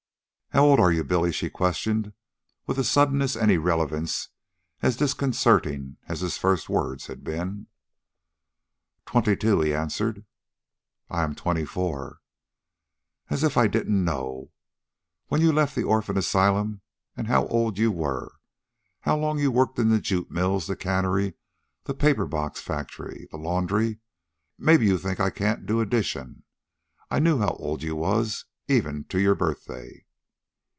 "How old are you, Billy?" she questioned, with a suddenness and irrelevance as disconcerting as his first words had been. "Twenty two," he answered. "I am twenty four." "As if I didn't know. When you left the orphan asylum and how old you were, how long you worked in the jute mills, the cannery, the paper box factory, the laundry maybe you think I can't do addition. I knew how old you was, even to your birthday."